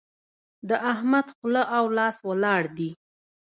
د احمد خوله او لاس ولاړ دي.